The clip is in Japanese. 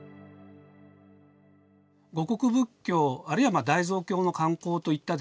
護国仏教あるいは大蔵経の刊行といったですね